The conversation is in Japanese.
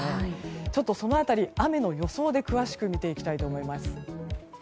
ちょっと、その辺り雨の予想で詳しく見ていきます。